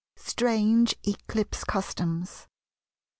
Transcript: STRANGE ECLIPSE CUSTOMS.